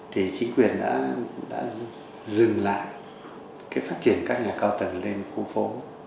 thì chính quyền đã dừng lại phát triển các nhà cao tầng lên khu phố